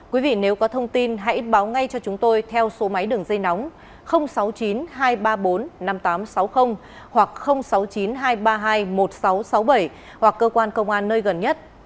quý vị nếu có thông tin hãy báo ngay cho chúng tôi theo số máy đường dây nóng sáu mươi chín hai trăm ba mươi bốn năm nghìn tám trăm sáu mươi hoặc sáu mươi chín hai trăm ba mươi hai một nghìn sáu trăm sáu mươi bảy hoặc cơ quan công an nơi gần nhất